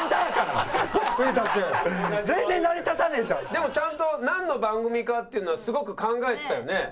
でもちゃんとなんの番組かっていうのはすごく考えてたよね。